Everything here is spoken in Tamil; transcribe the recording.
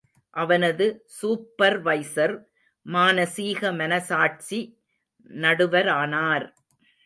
அவனது சூப்பர்வைசர் மானசீக மனசாட்சி நடுவரானார்.